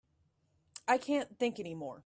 I can't think any more.